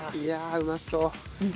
うまそう。